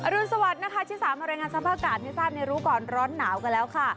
รุนสวัสดิ์นะคะที่สามารถรายงานสภาพอากาศให้ทราบในรู้ก่อนร้อนหนาวกันแล้วค่ะ